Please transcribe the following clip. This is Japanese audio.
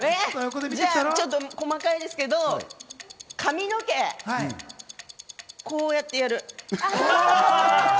じゃあちょっと細かいですけど、髪の毛こうやってやる。